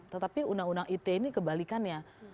tetapi undang undang ite ini kebalikannya